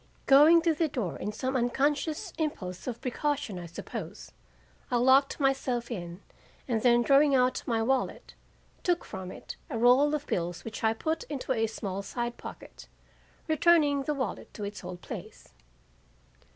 Going to the door in some unconscious impulse of precaution I suppose, I locked myself in, and then drawing out my wallet, took from it a roll of bills which I put into a small side pocket, returning the wallet to its old place.